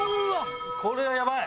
これはやばい！